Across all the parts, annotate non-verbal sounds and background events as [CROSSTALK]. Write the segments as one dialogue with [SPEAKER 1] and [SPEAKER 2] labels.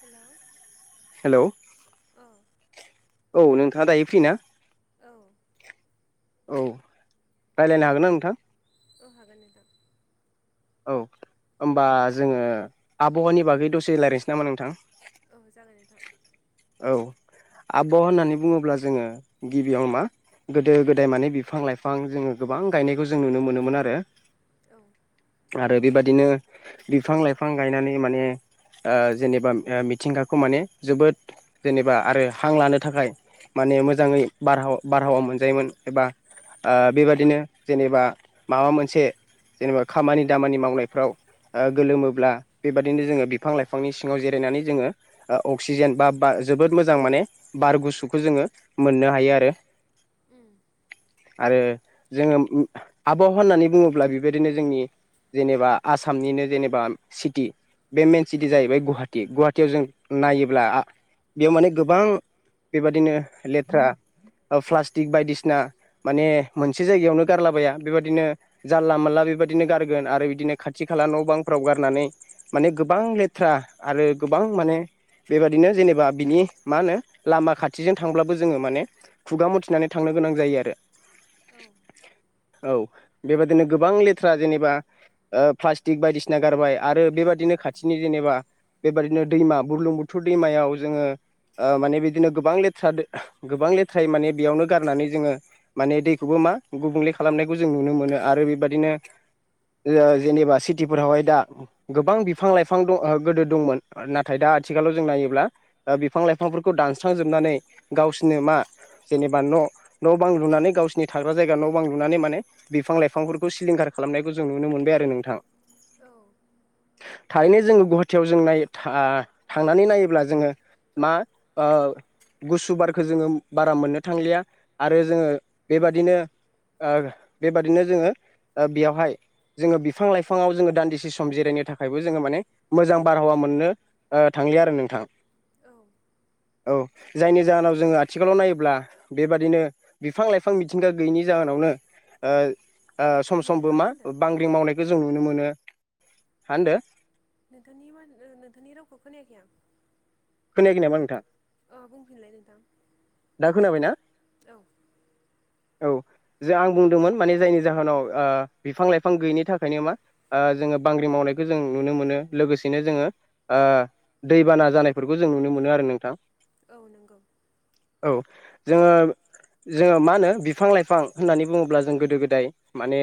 [SPEAKER 1] Hello
[SPEAKER 2] hello
[SPEAKER 1] औ।
[SPEAKER 2] औ नोंथाङा दायो फ्रि ना?
[SPEAKER 1] औ।
[SPEAKER 2] औ राय्लायनो हागोन ना नोंथां
[SPEAKER 1] अहागोन दा
[SPEAKER 2] औ होमबा जोङो आबहावानि बागै दसे लायरायसै नामा नोंथां।
[SPEAKER 1] औ जागोन नोंथां।
[SPEAKER 2] आबावा' होननानै बुङोब्ला जोङो गिबियाव मा गोदो गोदाय माने बिफां लाइफां जोङो गोबां गायनायखौ जों नुनो मोनोमोन आरो
[SPEAKER 1] औ।
[SPEAKER 2] आरो बेबादिनो बिफां लाइफां गायनानै माने ओ जेनेबा ओ मिथिंगाखौ माने जोबोद जेनेबा आरो हां लानो थाखाय माने मोजाङै बारहाव बारहावा मोनजायोमोन एबा ओ बेबादिनो जेनेबा माबा मोनसे जेनेबा खामानि दामानि मावनायफ्राव गोलोमोब्ला बेबदिनो जोङो बिफां लाइफांनि सिङाव जिरायनानै जोङो अक्सिजेन बा बा जोबोद मोजां माने बार गुसुखौ जोङो मोननो हायो आरो।
[SPEAKER 1] उम
[SPEAKER 2] आरो जोङो आबहावा होननानै बुङोब्ला बेबायदिनो जोंनि जेनेबा आसामनिनो जेनेबा सिटि बे मेन सिटि जाहैबाय गुहाटि गुहाटियाव जों नायोब्ला बेयाव माने गोबां बेबादिनो लेथ्रा ओ प्लास्टिक बायदिसिना माने मोनसे जायगायावनो गारलाबाया बेबायदिनो जानला मोनला बेबा बिदिनो गारगोन आरो बिदिनो खाथि खाला न' बांफ्राव गारनानै माने गोबां लेथ्रा आरो गोबां माने बेबादिनो जेनेबा बिनि मा होनो लामा खाथिजों थांब्लाबो जोङो माने खुगा मुथिनानै थांनो गोनां जायो आरो।
[SPEAKER 1] औ।
[SPEAKER 2] औ बेबदिनो गोबां ले थ्रा जेनेबा ओ प्लास्टिक बायदिसिना गारबाय आरो बेबादिनो खाथिनि जेनेबा बेबायदिनो दैमा बुरलुं बुथुर दैमायाव जोङो ओ माने बिदिनो गोबां लेथ्रा गोबां लेथ्रायै माने बेयावनो गारनानै जोङो माने दैखौबो मा गुबुंले खालामनायखौ जों नुनो मोनो आरो बेबादिनो जेनेबा सिटिफोरावहाय दा गोबां बिफां लाइफां दं गोदो दंमोन नाथाय दा आथि आथिखालाव जों नायोब्ला बिफां लाइफांफोरखौ दानस्रांजोबनानै गावसोरनो मा जेनेबा न न' बां लुनानै गावसिनि थाग्रा जायगा न' बां लुनानै माने बिफां लाइफांफोरखौ सिलिंखार खालामनायखौ जों नुनो मोनबाय आरो नोंथां
[SPEAKER 1] औ
[SPEAKER 2] थारैनो जोङो गुवाहाटियाव जों नाय थांनानै नायोब्ला जोङो मा ओ। गुसु बारखौ जोङो बारा मोननो थांलिया आरो जोङो बेबादिनो ओ बेबादिनो जोङो बेयावहाय जोङो बिफां लाइफाङाव जोङो दान्दिसे सम जिरायनो थाखायबो जोङो माने मोजां बारहावा मोनो नो ओ थांलिया आरो नोंथां।
[SPEAKER 1] औ।
[SPEAKER 2] औ जायनि जाहोनाव जोङो आथिखालाव नायोब्ला बेबादिनो बिफां लाइफां मिथिंगा गैयिनि जाहोनावनो ओ ओ सम समबो
[SPEAKER 1] नोंथाङा
[SPEAKER 2] मा
[SPEAKER 1] होनदों
[SPEAKER 2] बांग्रि मावनायखौ जों नुनो मोनो हा होनदो
[SPEAKER 1] नोंथांनि माथो ओ नोंथांनि रावखौ खोनायाखै आं।
[SPEAKER 2] खोनायाखै नामा नोंथां
[SPEAKER 1] ओ बुंफिनलाय नोंथां
[SPEAKER 2] दा खोनाबायना?
[SPEAKER 1] औ
[SPEAKER 2] औ जे आं बुंदोंमोन माने जायनि जाहोनाव ओ बिफां-लाइफां गैयिनि थाखायनो मा ओ जोङो बांग्रि मावना नायखौ जों नुनो मोनो लोगोसेनो जोङो ओ दै बाना जानायफोरखौ जों नुनो मोनो आरो नोंथां।
[SPEAKER 1] औ नंगौ
[SPEAKER 2] औ जोङो जोङो मा होनो बिफां-लाइफां होननानै बुङोब्ला जों गोदो गोदाय माने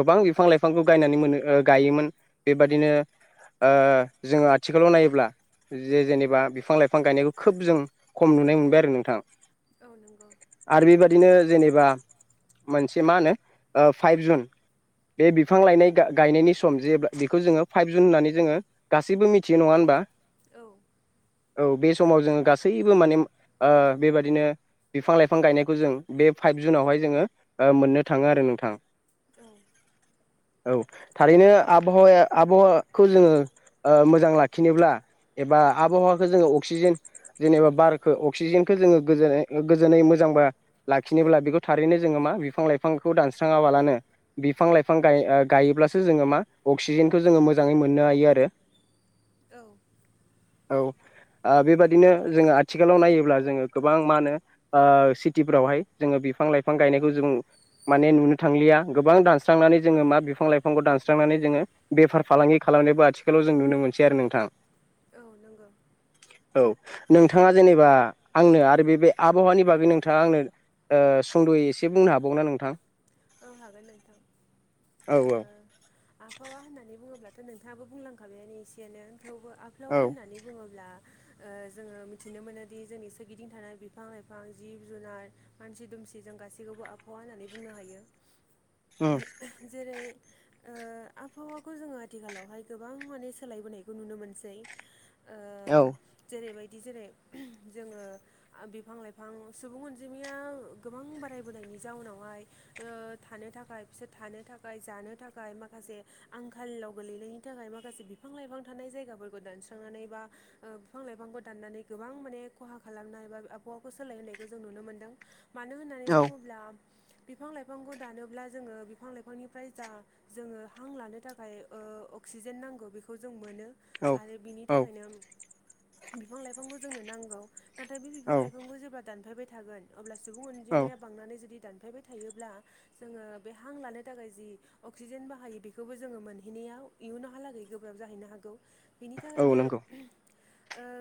[SPEAKER 2] गोबां बिफां-लाइफांखौ बायनानै मोनो गायोमोन बेबादिनो ओ जोङो आथिखालाव नायोब्ला जे जेनेबा बिफां-लाइफां गायनायखौ खोब जों खम नुनाय मोनबाय आरो नोंथां।
[SPEAKER 1] औ नंगौ
[SPEAKER 2] आरो बेबादिनो जेनेबा मोनसे मा होनो ओ फाइभ जुन बे बिफां लायनाय गायनायनि सम जेब्ला बेखौ जोङो फाइभ जुन होननानै जोङो गासैबो मिथियो नङा होनबा
[SPEAKER 1] औ
[SPEAKER 2] औ बे समाव जोङो गासैबो माने ओ बेबादिनो बिफां-लाइफां गायनायखौ जों बे फाइभ जुनावहाय जोङो ओ मोननो थाङो आरो नोंथां।
[SPEAKER 1] औ
[SPEAKER 2] औ थारैनो आबहावाया आबहावाखौ जोङो ओ मोजां लाखिनोब्ला एबा आबहावाखौ जोङो अक्सिजेन जेनेबा बारखौ अक्सिजेन खौ जोङो गोजोनै ओ गोजोनै मोजांबा लाखिनोब्ला बेखौ थारैनो जोङो मा बिफां-लाइफांखौ दानस्राङा बालानो बिफां-लाइफां गा ओ गायोब्लासो जोङो मा अक्सिजेनखौ जोङो मोजाङै मोननो हायो आरो
[SPEAKER 1] औ
[SPEAKER 2] औ ओ बेबादिनो जोङो आथिखालाव नायोब्ला जोङो गोबां मा होनो ओ सिटिफ्रावहाय जोङो बिफां-लाइफां गायनायखौ जों माने नुनो थांलिया गोबां दानस्रांनानै जोङो मा बिफां-लाइफांखौ दानस्रांनानै जोङो बेफार फालांगि खाला लामनायबो आथिखालाव जों नुनो मोनसै आरो नोंथां।
[SPEAKER 1] औ नंगौ।
[SPEAKER 2] औ नोंथाङा जेनेबा आंनो आरो बे आबहावानि बागै नोंथाङा आंनो ओ सुंद'यै एसे बुंनो हाबावना नोंथां।
[SPEAKER 1] औ हागोन नोंथां
[SPEAKER 2] औ
[SPEAKER 1] ओ
[SPEAKER 2] औ
[SPEAKER 1] आबहावा होननानै बुङोब्ला दा नोंथाङाबो बुंलांखाबायानो एसेयानो थेवबो आफावा
[SPEAKER 2] औ
[SPEAKER 1] होननानै बुङोब्ला ओ
[SPEAKER 2] [INAUDIBLE]
[SPEAKER 1] जोङो मिथिनो मोनोदि जोंनि सोरगिदिं थानाय बिफां-लाइफां, जिब-जुनार, मानसि-दुमसि जों गासैबो खौबो आबहावा होननानै बुंनो हायो।
[SPEAKER 2] उम
[SPEAKER 1] जेरै ओ आबहावाखौ जोङो आथिखालावहाय गोबां माने सोलायबोनायखौ नुनो मोनसै
[SPEAKER 2] औ
[SPEAKER 1] जेरैबायदि जेरै जोङो बिफां-लाइफां सुबुं अनजिमाया गोबां बाराय बोनायनि जाउनावहाय ओ थानो थाखाय बिसोर थानो थाखाय जानो थाखाय माखासे आंखालाव गोलैनायनि थाखाय माखासे बिफां-लाइफां थानाय जायगाफोरखौ दानस्रांनानै बा ओ बिफां-लाइफांखौ दाननानै गोबां माने खहा खालामनाय बा आबहावाखौ सोलायहोनायखौ जों नुनो मोन्दों मानो होननानै
[SPEAKER 2] औ
[SPEAKER 1] बुङोब्ला बिफां-लाइफांखौ दानोब्ला जोङो बिफां लाइफांनिफ्राय जा जोङो हां लानो थाखाय ओ अक्सि डिजाइन नांगौ बेखौ जों मोनो।
[SPEAKER 2] औ
[SPEAKER 1] आरो बिनि
[SPEAKER 2] औ
[SPEAKER 1] थाखायनो बिफां-लाइफांखौ जोंनो नांगौ। नाथाय बे बिफां
[SPEAKER 2] औ
[SPEAKER 1] लाइफांखौ जेब्ला दानफायबाय थागोन अब्ला सुबुं
[SPEAKER 2] औ
[SPEAKER 1] अनजिमाया बांनानै जुदि दानफायबाय थायोब्ला जोङो बे हां लानो थाखाय जि अक्सिजेन बाहायो बेखौबो जोङो मोनहैनायाव दिहुनावहालागै गोब्राब जाहैनो हागौ बिनि
[SPEAKER 2] औ
[SPEAKER 1] थाखायनो
[SPEAKER 2] नंगौ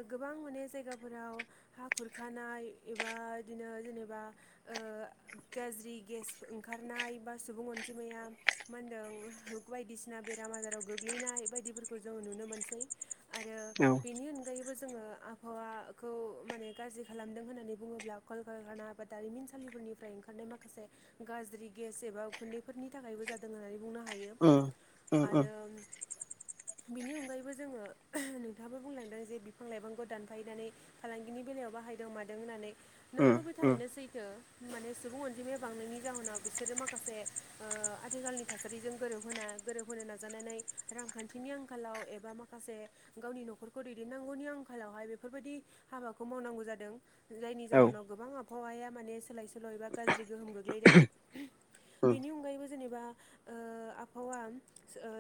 [SPEAKER 1] गोबां माने जायगाफोराव हा खुरखानाय एबा बिदिनो जेनेबा गाज्रि गेस ओंखारनाय बा सुबुं अनजिमाया मा होनदों बायदिसिना बेराम आजाराव गोग्लैनाय बायदिफोरखौ जों नुनो मोनसै आरो
[SPEAKER 2] औ
[SPEAKER 1] बेनि अनगायैबो जोङो आबहावाखौ माने गाज्रि खालामदों होननानै बुङोब्ला कलकाना बा दारिमिनसालि फोरनिफ्राय ओंखारनाय माखासे गाज्रि गेस एबा खुन्दैफोरनि थाखायबो जादों होननानै बुंनो हायो,
[SPEAKER 2] उम उम उम
[SPEAKER 1] आरो
[SPEAKER 2] [UNINTELLIGIBLE]
[SPEAKER 1] बिनि अनगायैबो जोङो नोंथाङाबो बुंलांदों जे बिफां लाइफांखौ दानफायनानै फालांगिनि बेलायाव होननानै
[SPEAKER 2] उम
[SPEAKER 1] नंगौ बे
[SPEAKER 2] उम
[SPEAKER 1] थारैनो सैथो। बांनायनि जाहोनाव बिसोरो माखासे आथिखालनि थासारिजों गोरोब गोरोबहोनो नाजानानै रांखान्थिनि आंखालाव एबा माखासे गावनि न'खरखौ दैदेननांगौनि आंखालावहाय बेफोरबायदि हाबाखौ मावनांगौ जादों जायनि
[SPEAKER 2] औ
[SPEAKER 1] जाउनाव
[SPEAKER 2] उम
[SPEAKER 1] गोबां आबहावाया माने सोलाय सोल' एबा गाज्रि गोहोम गोग्लैदों बेनि अनगायैबो जेनेबा आबहावा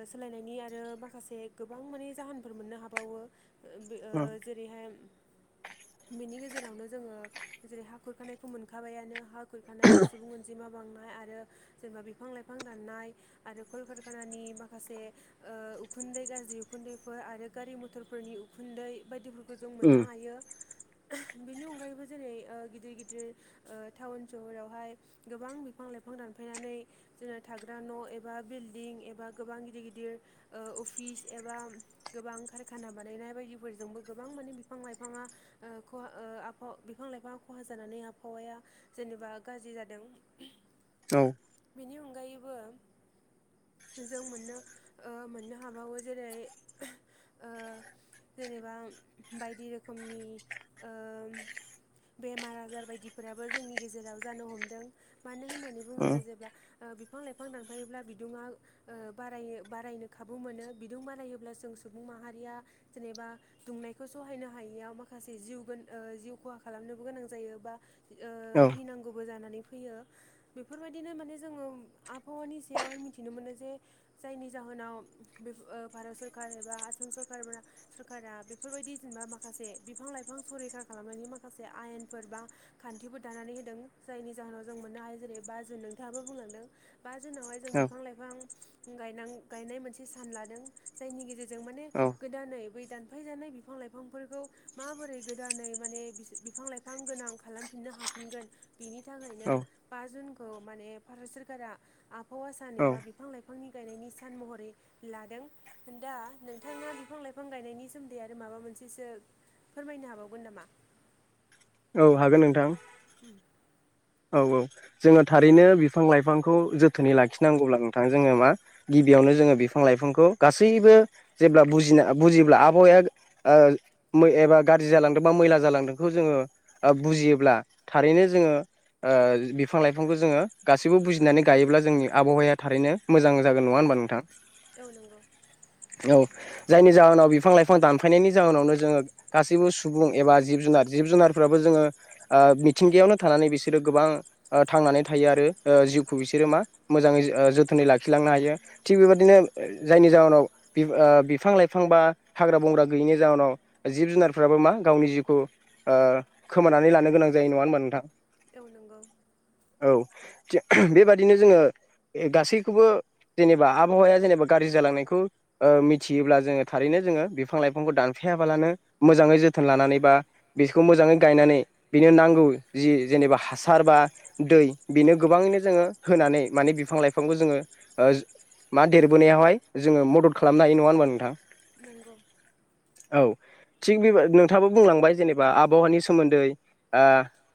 [SPEAKER 1] सोलायनायनि आरो माखासे गोबां माने जाहोनफोर मोननो हाबाय। बावो
[SPEAKER 2] उम
[SPEAKER 1] ओ जेरैहाय बेनि गेजेरावनो जोङो जेरै हा खुरखानायखौ मोनखाबायानो। खानाय आरो सुबुं अनजिमा जेनबा बिफां लाइां द ककाननि मसे उखुन्दै गाज्रि उखुन्दैफोर आरो गारि मथरफोरनि उखुन्दै बायदि जों
[SPEAKER 2] उम
[SPEAKER 1] मोननो हायो बेनि अनगायैबो जेरै गिदिर गिदिर टाउन सहरावहाय गोबां बिफां लाइफां दानफायनानै जोङो थाग्रा न' एबा बिल्डं एबा गोबां गिदिर गिदिर अफिस एबा गोबां कारखाना बानायनाय बायदिफोरजोंबो गोबां माने बिफां लाइफाङा बिफां लाइफाङा खहा जानानै आबहावाया जेनेबा गाज्रि जादों
[SPEAKER 2] औ
[SPEAKER 1] बेनि अनगायैबो
[SPEAKER 2] [INAUDIBLE]
[SPEAKER 1] जों मोननो मोननो हाबावो जेरै जेनेबा बायदि रोखोमनि बेमार आजार बायदिफोराबो जोंनि गेजेराव जानो हमदों मानो होननानै
[SPEAKER 2] औ
[SPEAKER 1] बुङोब्ला जेब्ला बिफां लाइफां दानफायोब्ला बिदुंआ बारनो बारायनो खाबु मोनो बिदुं बारायोब्ला जों सुबुं माहारिया जेनेबा दुंनायखौ सहायनो हायैयाव माखासे जि जिउ खहा खालाम नोबो गोनां जायो बा ओ
[SPEAKER 2] औ
[SPEAKER 1] थैनांगौबो जानानै फैयो बेफोरबायदिनो माने जोङो आबहावानि सायावहाय मिथिनो मोनो जे जायनि जाहोनाव जाहनाव भारत सरकार एबा आसाम सरक सरकारा बेफोरबायदि जेनेबा माखासे बिफां लाइफां संरैखा खालामनायनि माखासे आयेन बा खान्थिफोरखौ दानानै होदों जायनि जाहोनाव जों मोननो हायो जेरै बारजों नोंथाङाबो बुंलांदों। बा जोंनावहाय जों
[SPEAKER 2] औ
[SPEAKER 1] बिफां लाइफां गायनाय मोनसे सान लादों जायनि गेजेरजों जों माने
[SPEAKER 2] औ
[SPEAKER 1] गोदानै बै दानफायजानाय बिफां लाइफांफोरखौ माबोरै गोदानै माने बिफां लाइफां गोनां खालामफिननो हा फिनगोन बिनि थाखायनो
[SPEAKER 2] औ
[SPEAKER 1] बा जुनखौ माने भारत सोररकारा आबहावा सान एबा बिफां लाइफांनि गायनायनि सान महरै लादों दा नोंथाङा बिफां लाइफां गायनायनि सोमोनदै आ आरो माबा मोनसेसो फोरमायनो हाबावगोन नामा?
[SPEAKER 2] औ हागोन नोंथां। औ औ जोङो थारैनो बिफां लाइफांखौ जोथोनै लाखिनांगौब्ला नोंथां जोङो मा गिबियावनो जों बिफां लाइफां गासैबो जेब्ला बुजिब्ला आबहावाया एबा गाज्रि जालांदों बा मैला जालांदोंखौ जोङो बुजियोब्ला थारैनो जोङो बिफां लाइफांखौ जोङो गासैबो बुजिनानै गायोब्ला जोंनि आबहावाया थारैनो मोजां जागोन नङा होनोमबानो नोंथां।
[SPEAKER 1] औ नंगौ।
[SPEAKER 2] औ जायनि जाहोनाव बिफां लाइफां दानफायनायनि जाहोननावनो जोङो गासैबो सुबुं एबा जिब जुनार जिब जुनारफ्राबो जोङो मिथिंगायावनो थानानै बिसे बिसोरो गोबां थांनानै थायो आरो जिउखौ बिसोरो मा मोजाङै जोथोनै लाखिलांनो हायो। थिग बेबादिनो जायनि जाहनाव बिफां लाइफां बा हाग्रा बंग्रा गैयिनि जाउनाव जिब जुनारफ्राबो मा गावनि जिउखौ खोमानानै लानो गोनां जायो नङा होनबा नोंथां
[SPEAKER 1] नोंगौ।
[SPEAKER 2] औ बेबादिनो जोङो गासैखौबो जेनेबा आबहावाया जेनेबा गाज्रि जालांनायखौ मिथियोब्ला जोङो थारैनो। जोङो बिफां लाइफांखौ दानफायाबालानो मोजाङै जोथोन लानानै बा बिसोरखौ मोजाङै गायनानै बेनो नांगौ जि जेनेबा हासार बा दै बेनो गोबाङैनो जोङो होनानै माने बिफां लाइफांखौ जोङो मा देरबोनायावहाय जोङो मदद खालामनो हायो नङा होनोमबा नोंथां
[SPEAKER 1] नंगौ।
[SPEAKER 2] औ थिग बे नोंथाबो बुंलांबाय जेनेबा आबहावानि सोमोन्दै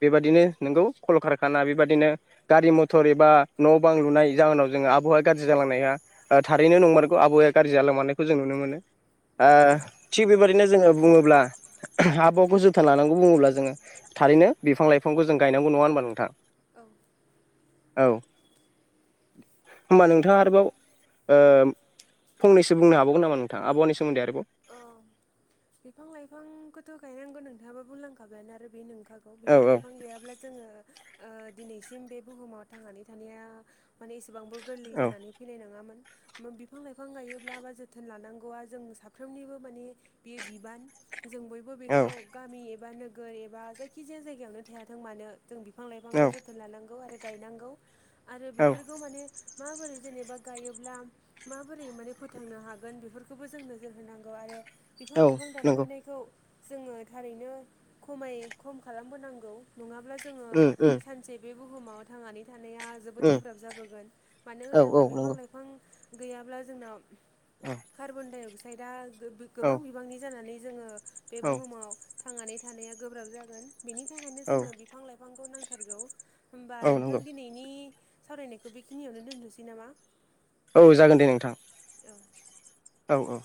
[SPEAKER 2] बेबादि बिनो नोंगौ खलखारखाना बेबाददिनो गारि मथर एबा न' बां लुनाय जाहोनाव जोङो आबहावाया गाज्रि जालांनाया थारैनो नंमारगौ आबहावाया गाज्रि जालां मानायखौ जों नुनो मोनो
[SPEAKER 1] उम
[SPEAKER 2] थिग बेबायदिनो जोङो बुङोब्ला आबहावाखौ जोथोन लानांगौ बुङोब्ला जोङो थारैनो बिफां लाइफांखौ जों गायनांगौ नङा होनबा नोंथां?
[SPEAKER 1] औ।
[SPEAKER 2] औ। होमबा नोंथाङा आरोबाव फंनैसो बुंनो हाबावगोन नामा नोंथाङा आबनि स
[SPEAKER 1] औ बिफां लाइफांखौथ' गायनांगौ नोंथाङाबा बुंलांखाबायानो आरो बे नंख नंगौ
[SPEAKER 2] औ
[SPEAKER 1] बिफां लाइफां गैयाब्ला जोङो दिनैसिम बे बुहुमाव थांनानै थानाया माने एसेबांबो गोरलै
[SPEAKER 2] औ
[SPEAKER 1] जानानै फैनाय नङामोन। बिफां लाइफां गायोब्ला बा जोथोन लानांगौआ जों साफ्रोमनिबो माने बेयो बिबान जों बयबो बेखौ
[SPEAKER 2] औ
[SPEAKER 1] गामि ए एबा नोगोर एबा जायखि जाया जायगायावनो थायाथों मानो जों बिफां
[SPEAKER 2] औ
[SPEAKER 1] लाइफांखौ जोथोन लानांगौ आरो गायनांगौ आरो
[SPEAKER 2] औ
[SPEAKER 1] बेफोरखौ माने माबोरै जेनेबा गायोब्ला माबोरै माने फोथांनो हागोन बेफोरखौबो जोंनो नोजोर होनांगौ आरो बिफां
[SPEAKER 2] औ
[SPEAKER 1] लाइफां
[SPEAKER 2] नंगौ
[SPEAKER 1] दानफैनायखौ जोङो थारैनो खमाय खम खालामबोनांगौ नङाब्ला जोङो
[SPEAKER 2] उम उम
[SPEAKER 1] सानसे बे बुहुमाव थांनानै थानाया जोबोद
[SPEAKER 2] उम
[SPEAKER 1] गोब्राब जाबोगोन मानो
[SPEAKER 2] औ औ
[SPEAKER 1] होनोबा बिफां
[SPEAKER 2] नंगौ
[SPEAKER 1] लाइफां गैयाब्ला जोंनाव
[SPEAKER 2] औ
[SPEAKER 1] कार्बनडाइ अक्साइदआ गोबां बिबांनि जानानै जोङो बे
[SPEAKER 2] औ
[SPEAKER 1] बुहुमाव थांनानै थानाया गोब्राब जागोन बेनि थाखायनो
[SPEAKER 2] औ
[SPEAKER 1] जोंनो बिफां लाइफांखौ नां थारगौ होनोमबा
[SPEAKER 2] औ
[SPEAKER 1] नोंथां
[SPEAKER 2] नंगौ
[SPEAKER 1] दिनैनि सावरायनायखौ बेखिनियावनो दोनथ'सै नामा
[SPEAKER 2] औ जागोन दे नोंथां।
[SPEAKER 1] औ।
[SPEAKER 2] औ औ।